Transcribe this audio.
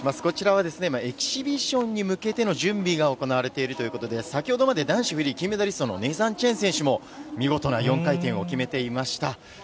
こちらはエキシビションに向けての準備が行われているということで、先ほどまで男子フリー金メダリストのネイサン・チェン選手も見事な４回転を決めていました。